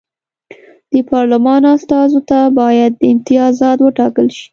د پارلمان استازو ته باید امتیازات وټاکل شي.